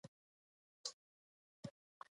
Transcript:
مړه د مهربانۍ نه ډکه وه